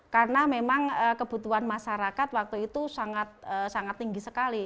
karena memang kebutuhan masyarakat waktu itu sangat tinggi sekali